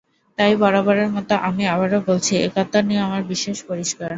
তাই বরাবরের মতো আমি আবারও বলছি, একাত্তর নিয়ে আমার বিশ্বাস পরিষ্কার।